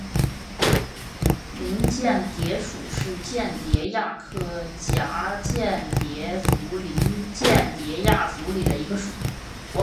林蚬蝶属是蚬蝶亚科蛱蚬蝶族林蚬蝶亚族里的一个属。